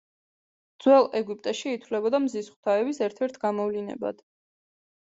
ძველ ეგვიპტეში ითვლებოდა მზის ღვთაების ერთ-ერთ გამოვლინებად.